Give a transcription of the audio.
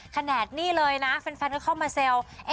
ขนาดนี้เลยนะแฟนก็เข้ามาแซว